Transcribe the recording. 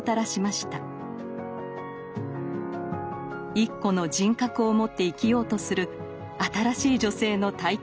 一個の人格を持って生きようとする新しい女性の台頭。